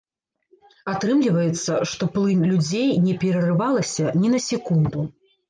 Атрымліваецца, што плынь людзей не перарывалася ні на секунду.